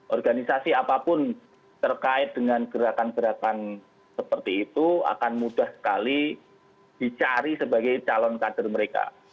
organisasi apapun terkait dengan gerakan gerakan seperti itu akan mudah sekali dicari sebagai calon kader mereka